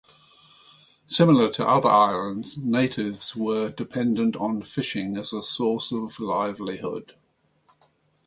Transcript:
Similar to other islands, natives were dependent on fishing as a source of livelihood.